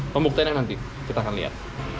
pembuktiannya nanti kita akan lihat